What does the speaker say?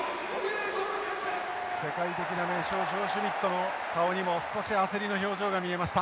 世界的な名将ジョーシュミットの顔にも少し焦りの表情が見えました。